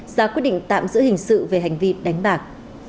ra quyết định tạm giữ hình sự về hành vi đánh bạc